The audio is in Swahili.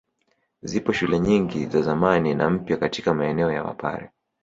Zipo shule nyingi za zamani na mpya katika maeneo ya Wapare